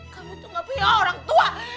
kamu tuh gak punya orang tua